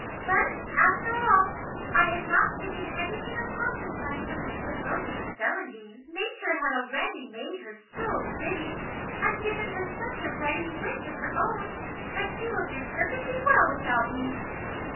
But, after all, I have not taken anything of consequence from this provoking Celandine. Nature had already made her so pretty, and given her such a ready wit of her own, that she will do perfectly well without me.